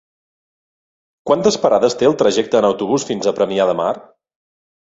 Quantes parades té el trajecte en autobús fins a Premià de Mar?